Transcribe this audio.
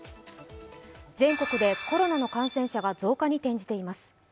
全国でコロナの感染者が増加に転じています。